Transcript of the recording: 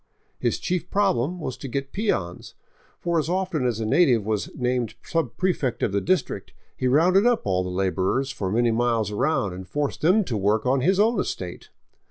His chief problem was to get peons ; for as often as a native was named subprefect of the district, he rounded up all the laborers for many miles around and forced them to work on his own estate.